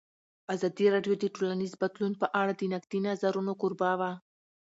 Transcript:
ازادي راډیو د ټولنیز بدلون په اړه د نقدي نظرونو کوربه وه.